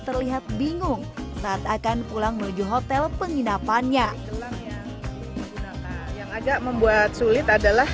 terlihat bingung saat akan pulang menuju hotel penginapannya digunakan yang agak membuat sulit adalah